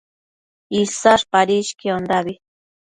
Isash padishquiondabi